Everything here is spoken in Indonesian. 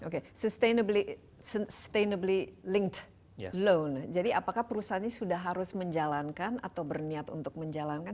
oke sustainabil link loan jadi apakah perusahaan ini sudah harus menjalankan atau berniat untuk menjalankan